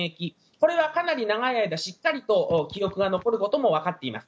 これはかなり長い間しっかり記憶が残ることもわかっています。